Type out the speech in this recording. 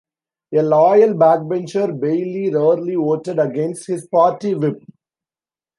A loyal backbencher, Bayley rarely voted against his party whip.